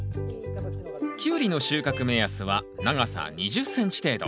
キュウリの収穫目安は長さ２０ｃｍ程度。